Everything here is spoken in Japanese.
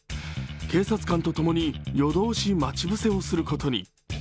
警察官と共に夜通し待ち伏せをすることに。